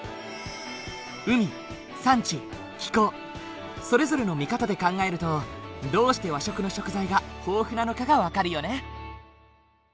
海山地気候それぞれの見方で考えるとどうして和食の食材が豊富なのかが分かるよね。